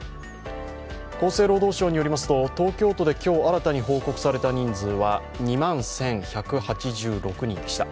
厚生労働省によりますと東京都で今日、新たに報告された人数は２万１１８６人でした。